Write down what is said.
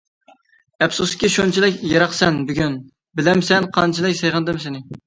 ئەپسۇسكى شۇنچىلىك يىراقسەن بۈگۈن، بىلەمسەن قانچىلىك سېغىندىم سېنى.